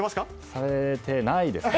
されてないですね。